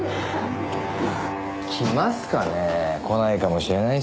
来ますかね？来ないかもしれないっすよ。